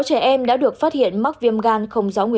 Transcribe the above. sáu trẻ em đã được phát hiện mắc viêm gan không đủ